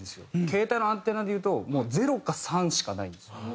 携帯のアンテナで言うともう０か３しかないんです。